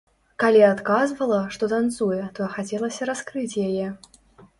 Калі адказвала, што танцуе, то хацелася раскрыць яе.